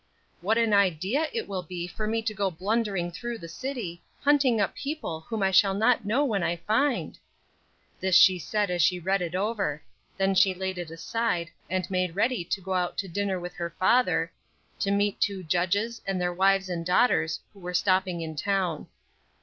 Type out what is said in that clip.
"What an idea it will be for me to go blundering through the city, hunting up people whom I shall not know when I find." This she said as she read it over; then she laid it aside, and made ready to go out to dinner with her father, to meet two judges and their wives and daughters who were stopping in town.